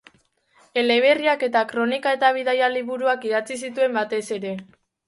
Eleberriak eta kronika- eta bidaia-liburuak idatzi zituen batez ere.